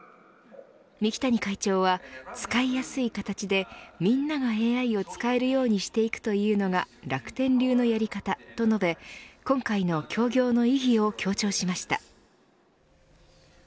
三木谷会長は、使いやすい形でみんながＡＩを使えるようにしていくというのが楽天流のやり方、と述べ今回の協業の意義を強調しました。